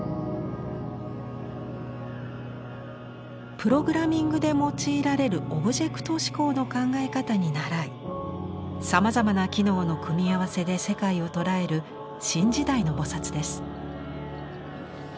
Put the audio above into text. プログラミングで用いられる「オブジェクト指向」の考え方にならいさまざまな「機能」の組み合わせで世界を捉える新時代の菩です。